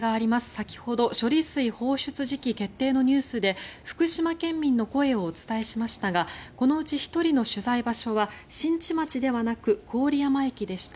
先ほど、処理水放出時期決定のニュースで福島県民の声をお伝えしましたがこのうち１人の取材場所は新地町ではなく郡山駅でした。